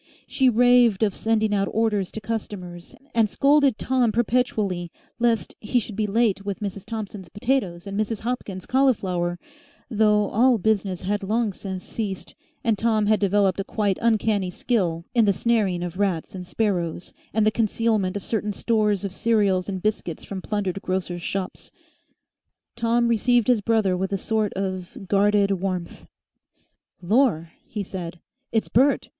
She raved of sending out orders to customers, and scolded Tom perpetually lest he should be late with Mrs. Thompson's potatoes and Mrs. Hopkins' cauliflower, though all business had long since ceased and Tom had developed a quite uncanny skill in the snaring of rats and sparrows and the concealment of certain stores of cereals and biscuits from plundered grocers' shops. Tom received his brother with a sort of guarded warmth. "Lor!" he said, "it's Bert.